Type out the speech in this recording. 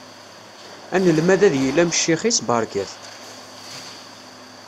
Anelmad ad yili am ccix-is, beṛka-t.